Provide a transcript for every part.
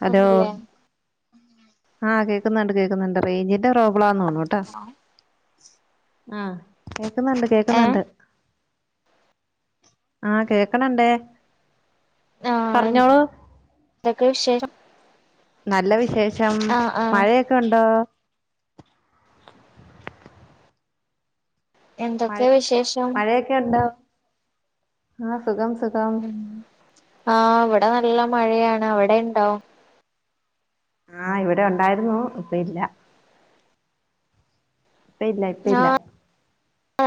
Hello ആഹ് കേൾക്കുന്നുണ്ട് കേക്കുന്നുണ്ട് റേഞ്ചിന്റെ പ്രോബ്ളന്നുണുട്ട ആഹ് കേക്കുന്നുണ്ട് ഏ കേക്കുന്നുണ്ട് ആഹ് കേക്കണണ്ടേ പറഞ്ഞോളൂ ന്തോക്കെ വിശേഷം നല്ല വിശേഷം ആ ആ മഴയൊക്കെ ഉണ്ടോ എന്തൊക്കെ മഴയൊക്കെ വിശേഷം മഴയൊക്കെണ്ടോ ആഹ് സുഖം സുഖം ഉം ആഹ് ഇവിടെ നല്ല മഴയാണ് അവിടെണ്ടോ ആഹ് ഇവിടെണ്ടായിരുന്നു ഇപ്പ ഇല്ല ഇപ്പ ഇല്ല ഇപ്പ ഇല്ല ആഹ്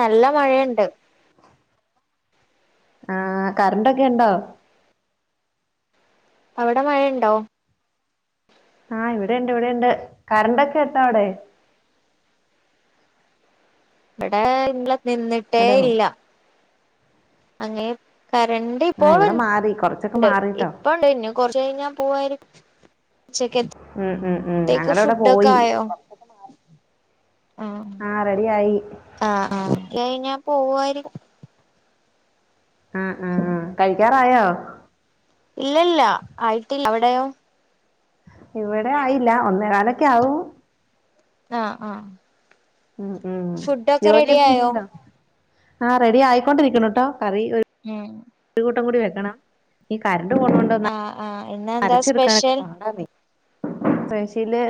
നല്ല മഴയുണ്ട് ആഹ് കറണ്ടക്കെ ഉണ്ടോ അവിടെ മഴയുണ്ടോ ആഹ് ഇവിടെണ്ട് ഇവിടെണ്ട് കറണ്ടക്കെണ്ടോ അവിടെ ഇവിടെ ഇള നിന്നിട്ടേ ഹലോ ഇല്ല അങ്ങെ കറണ്ട് ആഹ് ഇവിടെ മാറി കൊറച്ചൊക്കെ ഇപ്പോൾണ്ട് മാറിട്ടോ ഇപ്പണ്ട്ഞ്ഞു കൊറ്ച്ച് ക ഴിഞ്ഞാ പോവായിരിക്കും ഉച്ചക്കത്തേക്ക് മ് മ് മ് ഞങ്ങളവിടെ ഫുഡൊക്കെ പോയി ആയോ ആഹ് റെഡിയായി ആഹ് ആഹ് ഏ ഞാ പോവാരിയിരിക്കും ആ ഹ് ആഹ് ആഹ് കഴിക്കാറായോ ഇല്ല ഇല്ല ആയിട്ടില്ല അവിടെയോ ഇവിടെ ആയില്ല ഒന്നേ കാലൊക്കെ ആവും ആഹ്ആഹ് മ്ഹ് ജോലി റെഡി എന്തേലും ആയോ ചെയ്യ്ണ്ടോ. ആ റെഡി ആയിക്കൊണ്ടിരിക്ണ്ട്ട്ടൊ കറി ഒര് മ് ഒരു കൂട്ടം കൂടി വെക്കണം ഈ കരണ്ട് പോണേണ്ട് പ്പന്നാ ആഹ് ആഹ് ഇന്നെന്താ അരച്ചെടുക്കാനൊക്കെ സ്പെഷ്യൽ പാടാന്നേ ചില്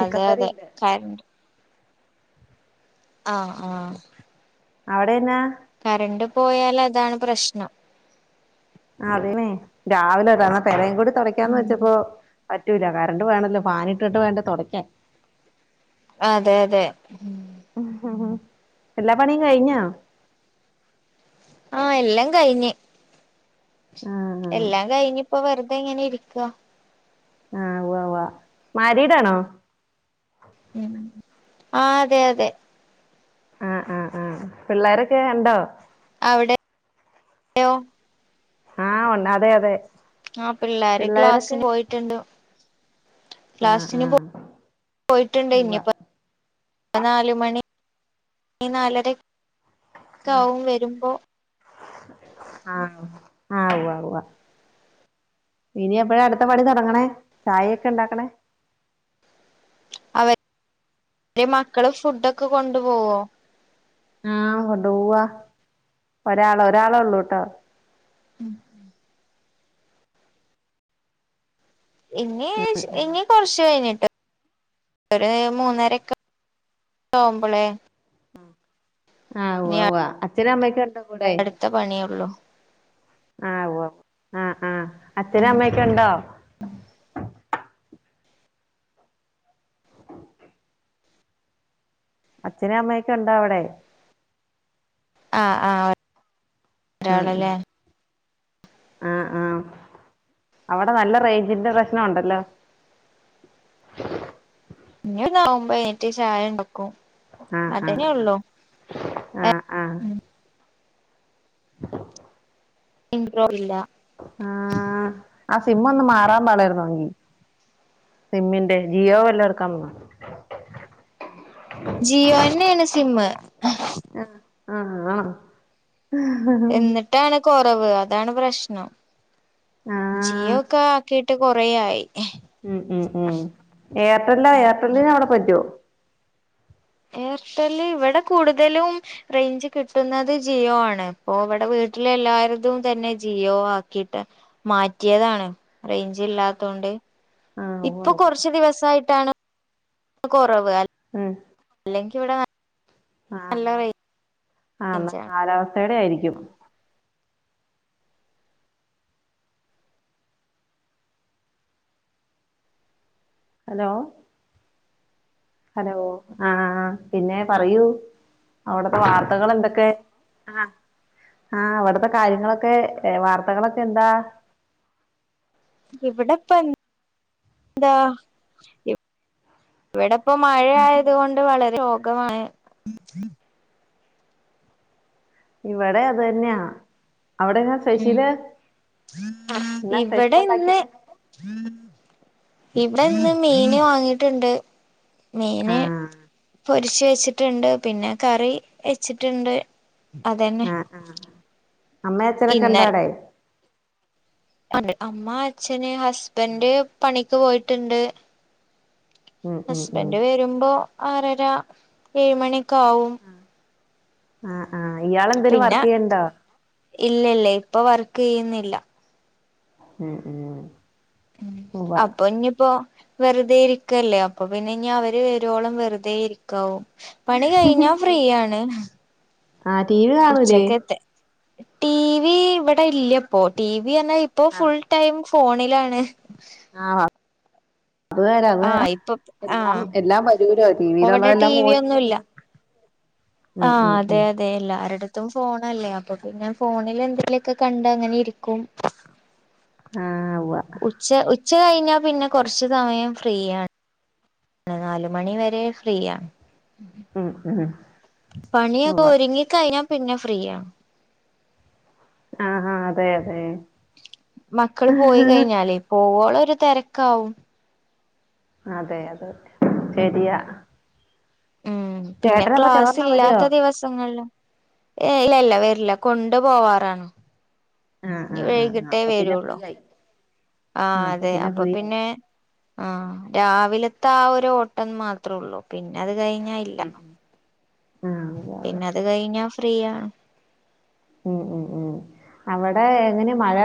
ചിക്കൻ കറി ണ്ട് കര്ണ്ട് ആഹ് ആഹ് അവിടെന്നാ കറണ്ട് പോയാല് അതാണ് പ്രശ്നം അതനേ രാവിലെതനെ തെരെകൂടി തൊടയ്ക്കാന്ന് ഉം വെച്ചപ്പോ പറ്റൂല കറണ്ട് വേണല്ലോ ഫാന് ഇട്ടിട്ട് വേണ്ടെ തൊടക്കാൻ അതെ അതെ എല്ലാ പണിയും കഴിഞ്ഞ ആഹ് എല്ലംകഴിഞ്ഞ് ആ ആ എല്ലാം കഴിഞ്ഞ് ഇപ്പൊ വെറുതെ ങ്ങനെ ഇരിക്കാ ആഹ് വ്വാ വ്വാ മാരിയീടാണോ മ് ആഹ് അതെ അതെ ആഹ് ആഹ് ആഹ് പിള്ളേരൊക്കെ ണ്ടോ അവിടെയൊ ആഹ് ഉണ്ട് അതെ അതെ ആഹ് പിള്ളാര് പിള്ളേരൊക്കെ ക്ലാസ്സിന് പോയിട്ടുണ്ട് ആഹ് ക്ലാസിന് പോ ആഹ് പോയിട്ടുണ്ട് ഉവ്വ ഇനിയിപ്പോ. നാല് മണി നാലര ആഹ് കാവും വരുമ്പോ ആഹ് ആഹ് വ്വാ വ്വാ ഇനി എപ്പോഴ അടുത്ത പണി തൊടങ്ങണേ ചായേക്കെണ്ടാക്ക്ണേ അവര് ര് മക്കള് ഫുഡോക്കെ കൊണ്ടു പോവോ ആഹ് കൊണ്ടൊവ്വാ ഒരാള് ഒരാള് ളൊ ള്ളൂട്ടെ മ് ഇനി ഇനി കൊറച്ച്കഴിഞ്ഞിട്ട് ഒര് മൂന്നരൊക്കെ ഓവുമ്പളേ ആഹ് വ്വാ വ്വാ അച്ഛനും അമ്മക്കെ ണ്ടോ അടുത്ത പണിയുള്ളൂ ആവോ ആ ഹ് ആഹ് അച്ച ഉം നും അമ്മക്കെ ഇണ്ടോ അച്ഛനും അമ്മയൊക്കെ ഇണ്ട അവിടെ ആഹ് ആഹ് ഒ ഉം ഉം ഒരാള്ല്ലേ ആഹ് ആഹ് അവ്ടെ നല്ല റെയ് ഞ്ചിന്റെ പ്രശ്നംണ്ടല്ലോ ഇഞ് നോമ്പയ്ഞ്ഞിട്ട് ചായണ്ടാക്കും അതന്നെ ഉള്ളൂ ആ ഹ്ആഹ് ഇണ്ട് ട്ടോ ഇല്ല ആഹ് ആസിമ്മൊന്ന് മാറാൻ പറി രുന്ന് ങ്കി സിമ്മിന്റെ ജിയോ വല്ലോ എടുക്കാൻ പ ജിയോയന്നെയാണ് സിമ്മ് ആഹ് ആഹ് ആ ട്ടാണ് കുറവ് അതാണ് പ്രശ്നം ആഹ് ജിയോ ഒക്കെ ആക്കി ട്ട് കുറേയായി ഉം ഉം ഉം എയർട്ടെല്ല് എയർടെല്ലിന് അവിടെ പറ്റോ എയർട്ടല്ല് ഇവിടെ കൂടുതലും റെയിഞ്ച് കിട്ടുന്നത് ജിയോ ആണ് ഇപ്പൊ ഇവിടെ വീട്ടിലെ എല്ലാവരുതും തന്നെ ജിയോ ആക്കിയിട്ട് മാറ്റിയതാണ് റെയിഞ്ച് ഇല്ലാത്തതോണ്ട് ആഹ് ഉവ്വ ഇപ്പൊ ഉവ്വ കുറച്ച് ദിവസായിട്ടാണ് കൊറവ് അ- ഉം അല്ലെങ്കി ഇവിടെ ന ആഹ് ആഹ് ആന്നോ റേഞ്ചാണ് കാലാവസ്ഥേടെ ആയിരിക്കും ഹലോ ഹലോ ആഹ് പിന്നെ പറയൂ അവടുത്തെ വാർത്തകൾ എന്തൊക്കെ ആഹ് അവിടത്തെ കാര്യങ്ങളൊക്കെ വാർത്തകളൊക്കെ എന്താ ഇവിടെപ്പെ ന്താ ഇവിടിപ്പോ മഴ ആയത് കൊണ്ട് വളരെ ശോഗമാണ് ഇവിടെം അതന്നെയാ അവിടെന്നാ ഉം സ്പെഷ്യല് എന്നാ സ്പെഷ്യല് ഇവിടെ ഇന്ന് ഉണ്ടാക്കിയേന് ഇവിടെ ഇന്ന് മീൻ വാങ്ങിട്ടുണ്ട് മീന് ആഹ് പൊരി പൊരിച്ചു വെച്ചിട്ടുണ്ട് പിന്നെ കറി വെച്ചിട്ടുണ്ട് അതന്നെ ആഹ് അമ്മയും അച്ഛനൊക്കെ ഇന്നലെ ഉണ്ടോവിടെ അമ്മ അച്ഛന് ഹസ്ബൻഡ് പണിക്ക് പോയിട്ടുണ്ട് ഉം ഉം ഉം ഹസ്ബൻഡ് വരുമ്പോ ആറര ഏഴ് മണിയൊക്കെ ആവും ആഹ് ആഹ് ഇയാള് എന്തേലും വർക്ക് ചെയ്യുന്നുണ്ടോ ഇല്ല ഇല്ല ഇപ്പൊ വർക്ക് ചെയ്യുന്നില്ല ഉം ഉം ഉവ്വ അപ്പൊ ഇഞ്ഞിപ്പോ വെറുതെ ഇരിക്കുവല്ലേ അപ്പൊ പിന്നെ അവര് വരോളം വെറുതേയിരി ഓ പണി കഴിഞ്ഞാ ഫ്രീയാണ് ആഹ് ടിവി ഉച്ചക്കത്തെ ടി വി ഇവിടെ ഇല്ലീപ്പോ ടി വി എന്ന ഇപ്പോ ആണോ ഫുൾ ടൈം ഫോണിലാണ് ആഹ് അത് വരാ അത് വരാ ആഹ് ഇപ്പൊ എല്ലാം ആഹ് എല്ലാം വരൂലോ ഇപ്പൊ ഇവിടെ ടി ടീവിലുള്ളതെല്ലാം വി ഒന്നുല്ല പോയിണ്ട് ആഹ് അതെ അതെ അതെ എല്ലാരുടെത്തും ഫോണല്ലേ അപ്പൊ പിന്ന ഫോണിൽ എന്തെലുമൊക്കെ കണ്ട് അങ്ങനെ ഇരിക്കും ആഹ് ഉവ്വ പക്ഷേ ഉച്ച കഴിഞ്ഞാൽ പിന്നെ കുറച്ച് സമയം ഫ്രീയാണ് നാല് മണി വരെ ഫ്രീയാ ഉം ഉം പണിയൊക്കെ ഉവ്വ ഒരുങ്ങിക്കഴിഞ്ഞാൽ പിന്നെ ഫ്രീയാ ആഹ് ആഹ് അതെ അതെ മക്കള് പോയി കഴിഞ്ഞാലേ പോവോളം ഒരു തിരക്കാവും അതെ അത് ശരിയാ ഉം പിന്നെ ചേട്ടനപ്പൊ ചോറിനാൻ വരുവോ ക്ലാസ്സിലില്ലാത്ത ദിവസങ്ങളിൽ ഏഹ് ഇല്ല ഇല്ല വരില്ല കൊണ്ട് പോവാറാണ് ആഹ് ഇനി ആഹ് ആഹ് വൈകിട്ടേ അപ്പൊ പിന്നെ ഫ്രീ വരുള്ളൂ ആയി ആഹ ആഹ് അതെ അപ്പൊ ഫ്രീ ആയി പിന്നെ ആഹ രാവിലത്തെ ആ ഒരു ഓട്ടം മാത്രേ ഉള്ളൂ പിന്നെ അത് കഴിഞ്ഞ ഇല്ല ആഹ് അതെ അതെ പിന്ന അത് കഴിഞ്ഞാ ഫ്രീ ആണ് ഉം ഉം ഉം അവിടെ എങ്ങനെ മഴ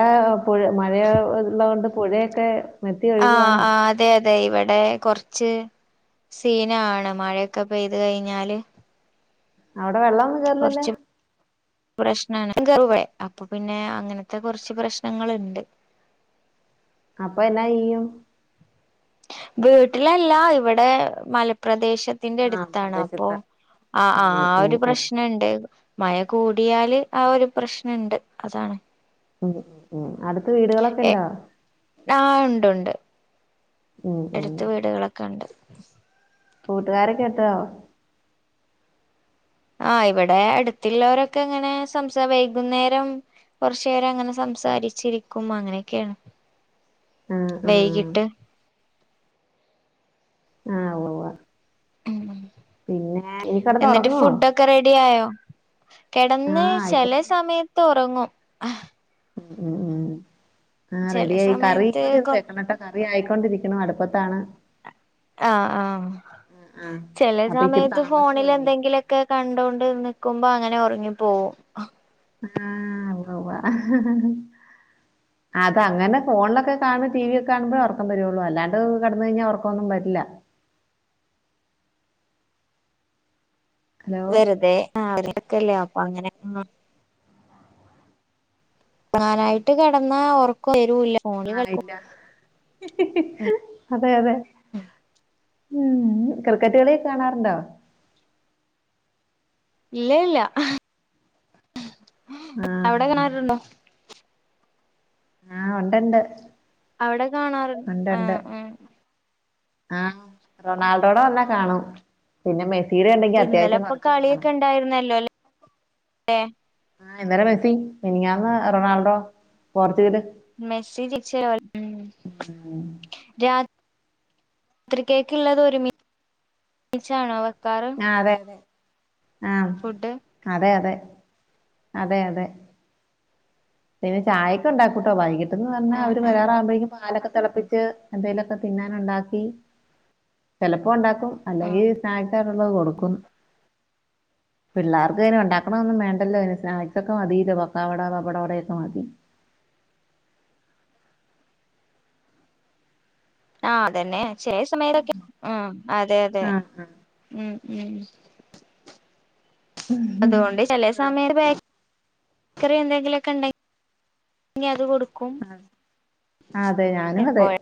പുഴ മഴ ഉള്ളോണ്ട് പുഴയൊക്കെ വറ്റി ആഹ ഒഴുകുവാണോ ആഹ അതെ അതെ ഇവിടെ കുറച്ച് സീനാണ് മഴയൊക്കെ പെയ്ത് കഴിഞ്ഞാല് അവിടെ വെള്ളം കുറച്ചും പ്രശ്നാണ് [unintelligible] അപ്പൊ പിന്നെ അങ്ങനത്തെ കുറച്ച് പ്രശ്നങ്ങളുണ്ട് അപ്പൊ എന്നാ ചെയ്യും വീട്ടിലെല്ല ഇവിടെ മലപ്രദേശത്ത് ത്തിന്റെ ആഹ് അടുത്താണ് അപ്പൊ പ്രദേശത്ത് ആഹ് ഓഹ് ആഹ് ഓഹ് ഒരു ഓഹ് പ്രശ്നം പ്രശനണ്ട് മഴ കൂടിയാല് ആ ഒരു പ്രശ്നം ഇണ്ട് അതാണ് ഉം ഉം ഉം അടുത്ത് വീടുകളൊക്കെ ഉണ്ടോ ആ ഉണ്ട് ഉണ്ട് ഉം ഉം എടുത്ത് വീടുകളൊക്കെ ഉണ്ട് കൂട്ടുകാരൊക്കെ ഒത്തൊ ആഹ ഇവിടെ അടുത്തിള്ളോരൊക്കെ ഇങ്ങനെ സംസ വൈകുന്നേരം കൊറച്ചു നേരം അങ്ങനെ സംസാരിച്ചിരിക്കും അങ്ങനെയൊക്കെയാണ് ആഹ് ആഹ് വൈകിട്ട് ആഹ ഉവ്വ ഉവ്വ ഉം പിന്നെ ഇനി കെടന്നു ഉറങ്ങുവോ ഒക്കെ റെഡി ആയോ കെടന്ന് ആഹ് ചെലേ ആയിക്കോട്ടെ സമയത്ത് ഉറങ്ങും ഉം ഉം ഉം ആ ചില റെഡിയായി കറിയും സമയത്ത് കൂടി കൊ ഒന്ന് വെക്കണട്ടോ കറി ആയിക്കൊണ്ടിരിക്ക്ണു അടുപ്പത്താണ് ആഹ ആഹ ആഹ് ചെലെ അപ്പൊ ഇച്ചിരി സമയത്ത് താമസിച്ചു ഫോണിൽ പോയിന്നേ എന്തെങ്കിലു ഒക്കെ ഒക്കെ കണ്ടോണ്ട് നിക്കുമ്പോ അങ്ങനെ ഉറങ്ങി പോവും ആഹ ഉവ്വ ഉവ്വ അതങ്ങനെ ഫോണിലൊക്കെ കാണ് ടിവിയൊക്കെ കാണുമ്പൊഴേ ഉറക്കം വരുള്ളു അല്ലാണ്ട് കെടന്ന് കഴിഞ്ഞാൽ ഉറക്കൊന്നും വരില്ല ഹലോ വെറുതെ [unintelligible] അപ്പ അങ്ങനെ അങ്ങ് ഒറങ്ങാനായിട്ട് കിടന്ന ഉറക്കം വരൂല്ല ഫോണില് ആഹ കളിക്കും ഇല്ല അതെ അതെ ഉം ക്രിക്കറ്റ് കളിയോക്കെ കാണാറുണ്ടോ ഇല്ല ഇല്ല അവിടെ ആഹ് കാണാറുണ്ടോ ആഹ് ഉണ്ട് ഉണ്ട് അവിടെ കാണാറ് ആഹ് ആഹ് ആഹ് റൊണാൾഡോടെ വന്നാൽ കാണും പിന്നെ മെസ്സീടെ ഉണ്ടെങ്കി അത്യാവശ്യം കൊറച്ചൊക്കെ കാണും ഉണ്ടായിരുന്നല്ലോല്ലെ ആഹ് ഇന്നലെ മെസ്സി മെനിഞ്ഞാന്ന് റൊണാൾഡോ പോർച്ചുഗല് മെസ്സി തിരിച്ച് വരും രാ ത്രിക്കേക്കുള്ളത് ഒരുമിച്ചാണോ വെക്കാറ് അതെ അതെ ആഹ് ഫുഡ് അതെ അതെ അതെ അതെ പിന്നെ ചായൊക്കെ ഉണ്ടാക്കൂട്ടോ വൈകിട്ട്ന്ന് പറഞ്ഞാ ആഹ് അവര് ആഹ് വരാറാവുമ്പോഴേക്കും പാലൊക്കെ തെളപ്പിച്ച് എന്തേലൊക്കെ തിന്നാൻ ഉണ്ടാക്കി ചിലപ്പോ ഉണ്ടാക്കും അല്ലെങ്കി ആഹ് സ്നാക്ക്സ് ആയിട്ടുള്ളത് കൊടുക്കും പിള്ളേർക്ക് പിന്നെ ഉണ്ടാക്കണത് ഒന്നും വേണ്ടല്ലോ അയിന് സ്നാക്സ് ഒക്കെ മതില്ലോ പക്കാവട പപ്പടവട ഒക്കെ മതി ആഹ് അതന്നെ ചില സമയത്തൊക്കെ ഉം അതെ അതെ ആഹ് ആഹ് ഉം ഉം അതുകൊണ്ട് ചെലേ സമയം ബേക്കറി എന്തെങ്കിലുവൊക്കെ ഉണ്ടെ ങ്കി അത് കൊടുക്കും അതെ ഞാനും അതെ എപ്പോഴും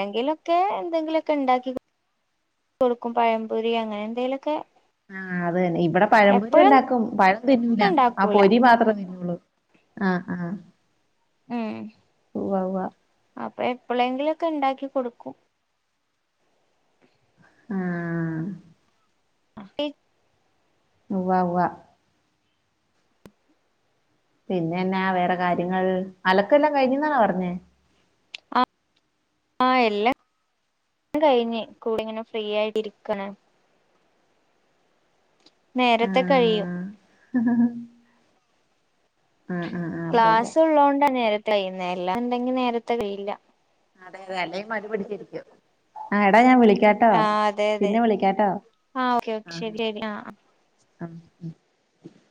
എന്തെങ്കിലൊക്കെ എന്തെങ്കിലുവൊക്കെ ഉണ്ടാക്കി കൊടുക്കും പഴംമ്പൊരി അങ്ങനെ എന്തേലുവൊക്കെ ആഹ് അതന്നെ ഇവിടെ പഴംമ്പൊ രി ഉണ്ടാക്കും പഴം തിന്നൂല ആ ഉണ്ടാക്കൂല പൊരി മാത്രമേ തിന്നോളൂ ആഹ് ആഹ് ഉം ഉവ്വ ഉവ്വ അപ്പൊ എപ്പെളെങ്കിലൊക്കെ ണ്ടാക്കി കൊടുക്കും ആഹ് ഉവ്വ ഉവ്വ പിന്നെന്നാ വേറെ കാര്യങ്ങൾ അലക്കെല്ലാം കഴിഞ്ഞെന്നാണാ പറഞ്ഞേ ആഹ് എല്ലാം കഴിഞ്ഞ് കൂടെ ഇങ്ങനെ ഫ്രീ ആയിട്ട് ഇരിക്കാ നേരത്തെ കഴിയും ആഹ് ആഹ് ആഹ് ആഹ് ഉവ്വ ഉവ്വ ക്ലാസ് ഉള്ളോണ്ട നേരത്തെ കഴിയുന്നെ അല്ലാ ഉണ്ടെങ്കി നേരത്തെ കഴിയില്ല അതെ അതെ അല്ലേ മടി പിടിച്ചിരിക്കും ആ എടാ ഞാൻ വിളി ക്കാട്ടോ ആ അതെ അതെ പിന്നെ വിളിക്കാട്ടോ ആ ഓക്കെ ഓക്കെ ആഹ് ശരി ശരി ആ ആ ആഹ്